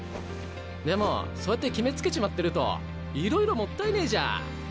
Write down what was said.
でもそうやって決めつけちまってるといろいろもったいねえじゃ。